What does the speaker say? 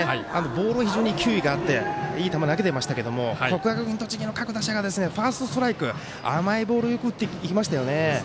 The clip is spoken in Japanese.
ボールは非常に球威があっていい球投げていましたけど国学院栃木の各打者がファーストストライク甘いボールよく打っていきましたよね。